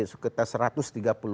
tapi sudah bisa menyerap tenaga kerja